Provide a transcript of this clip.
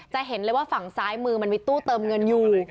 เห็นเลยว่าฝั่งซ้ายมือมันมีตู้เติมเงินอยู่